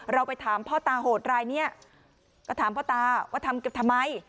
เราไปถามพ่อตาโหดรายนี้ก็ถามพ่อตาว่าทำทำไม